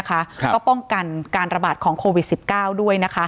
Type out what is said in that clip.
ก็ป้องกันการระบาดของโควิด๑๙ด้วยนะคะ